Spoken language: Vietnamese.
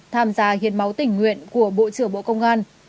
tham gia hiến máu tỉnh nguyện của bộ trưởng bộ công an